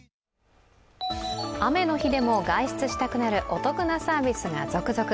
雨の日でも外出したくなるお得なサービスが続々。